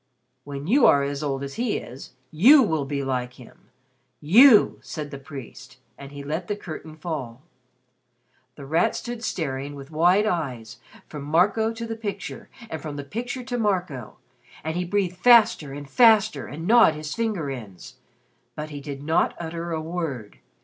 "When you are as old as he is, you will be like him you!" said the priest. And he let the curtain fall. The Rat stood staring with wide eyes from Marco to the picture and from the picture to Marco. And he breathed faster and faster and gnawed his finger ends. But he did not utter a word.